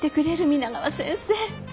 皆川先生。